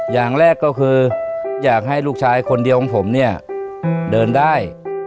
อย่างแรกก็คืออยากให้ลูกชายคนเดียวของผมเนี่ยเดินได้